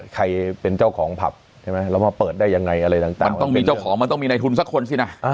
ใครเป็นเจ้าของผับใช่ไหมแล้วมาเปิดได้ยังไงอะไรต่างมันต้องมีเจ้าของมันต้องมีในทุนสักคนสินะ